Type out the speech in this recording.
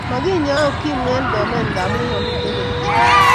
Mokinyae ukimu en Bomet ngamun mamiten kerichek